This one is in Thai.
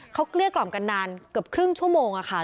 เขาเกลี้ยกล่อมกันนานเกือบครึ่งชั่วโมงค่ะ